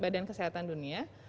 badan kesehatan dunia